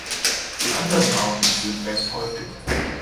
Die anderen Arten sind recht häufig.